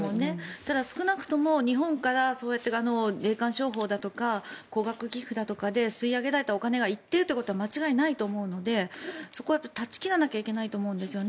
ただ、少なくとも日本から霊感商法だとか高額寄付だとかで吸い上げられたお金が行っているということは間違いないと思うのでそこは絶ち切らなきゃいけないと思うんです。